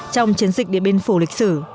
trong chiến dịch điện biên phủ lịch sử